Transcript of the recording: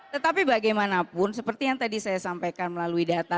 tetapi bagaimanapun seperti yang tadi saya sampaikan melalui data